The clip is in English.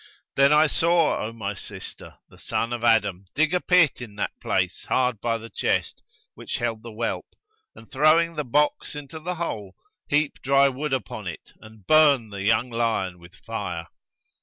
Then I saw, O my sister, the son of Adam dig a pit in that place hard by the chest which held the whelp and, throwing the box into the hole, heap dry wood upon it and burn the young lion with fire.